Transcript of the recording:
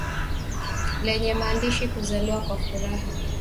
lenye maandishi kuzaliwa kwa furaha